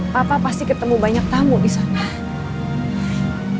papa pasti ketemu banyak tamu disana